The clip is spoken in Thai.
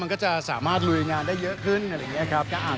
มันก็จะสามารถลุยงานได้เยอะขึ้นอะไรอย่างนี้ครับ